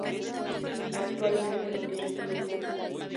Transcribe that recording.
Actualmente no tiene club